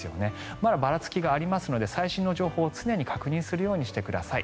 まだばらつきがありますので最新の情報を常に確認してください。